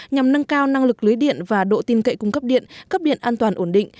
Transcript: nhằm nâng cao năng lực lưới điện và độ tin cậy cung cấp điện cấp điện an toàn ổn định